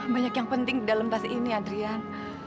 banyak yang penting dalam tas ini adrian